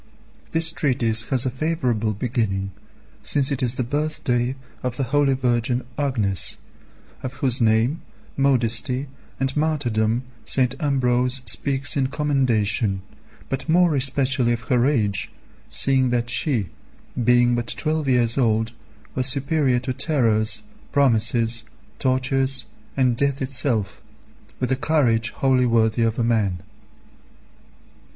This treatise has a favourable beginning, since it is the birthday of the holy Virgin Agnes, of whose name, modesty, and martyrdom St. Ambrose speaks in commendation, but more especially of her age, seeing that she, being but twelve years old, was superior to terrors, promises, tortures, and death itself, with a courage wholly worthy of a man.